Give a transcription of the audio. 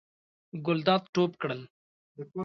ګلداد ټوپ کړل.